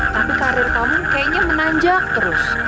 tapi karir kamu kayaknya menanjak terus